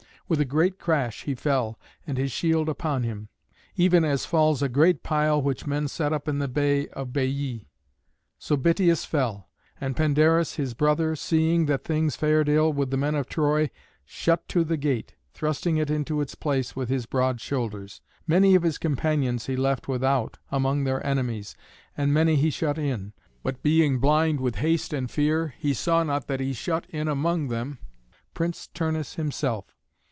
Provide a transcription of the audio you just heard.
With a great crash he fell, and his shield upon him, even as falls a great pile which men set up in the bay of Baiæ. So Bitias fell; and Pandarus, his brother, seeing that things fared ill with the men of Troy, shut to the gate, thrusting it into its place with his broad shoulders. Many of his companions he left without among their enemies, and many he shut in. But being blind with haste and fear, he saw not that he shut in among them Prince Turnus himself.